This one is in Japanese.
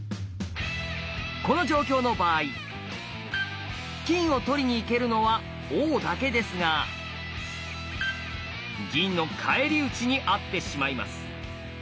この状況の場合金を取りにいけるのは「王」だけですが銀の返り討ちにあってしまいます。